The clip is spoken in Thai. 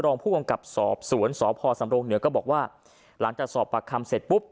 รองผู้กำกับสอบสวนสพสำรงเหนือก็บอกว่าหลังจากสอบปากคำเสร็จปุ๊บ